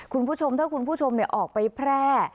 คุณผู้ชมถ้าคุณผู้ชมออกไปแพร่